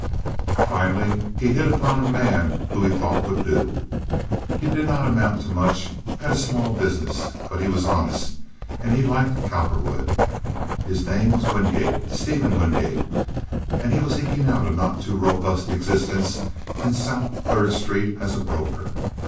Finally he hit upon a man who he thought would do. He did not amount to much—had a small business; but he was honest, and he liked Cowperwood. His name was Wingate—Stephen Wingate—and he was eking out a not too robust existence in South Third Street as a broker.